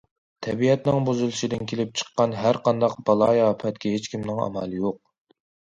تەبىئەتنىڭ بۇزۇلۇشىدىن كېلىپ چىققان ھەر قانداق بالايىئاپەتكە ھېچكىمنىڭ ئامالى يوق.